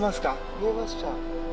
見えました。